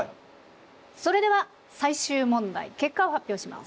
それでは最終問題結果を発表します。